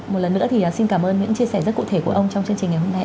một lần nữa thì xin cảm ơn những chia sẻ rất cụ thể của ông trong chương trình ngày hôm nay